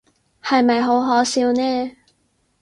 係咪好可笑呢？